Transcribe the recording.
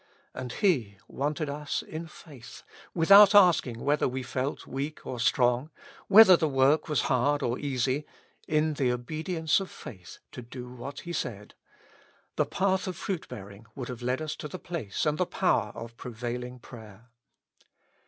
And He wanted us in faith, without asking whether we felt weak or strong, whether the work was hard or easy, in the obedience of faith to do what He said: the path of fruit bearing would have led us to the place and the power of prevailing prayer.